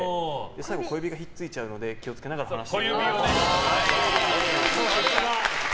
最後、小指がひっついちゃうので気を付けながら離してください。